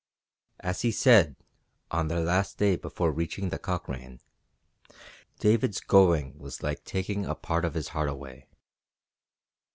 As he said, on their last day before reaching the Cochrane, David's going was like taking a part of his heart away.